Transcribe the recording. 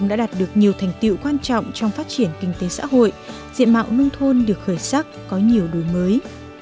nghị quyết đã đạt được nhiều thành tiệu quan trọng trong phát triển kinh tế xã hội diện mạo nông thôn được khởi sắc có nhiều đối mới